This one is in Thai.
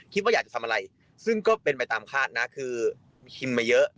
คิดว่าอยากจะทำอะไรซึ่งก็เป็นไปตามคาดนะคือคิมมาเยอะ